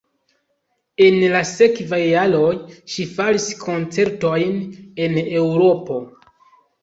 En la sekvaj jaroj ŝi faris koncertojn en Eŭropo.